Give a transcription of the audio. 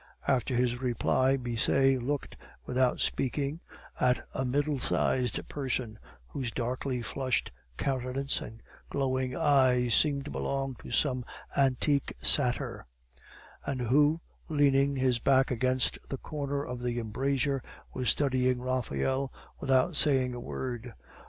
After this reply, Brisset looked, without speaking, at a middle sized person, whose darkly flushed countenance and glowing eyes seemed to belong to some antique satyr; and who, leaning his back against the corner of the embrasure, was studying Raphael, without saying a word.